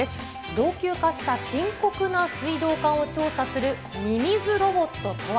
老朽化した深刻な水道管を調査するミミズロボットとは。